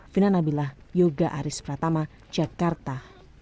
fina nabilah yoga aris pratama jakarta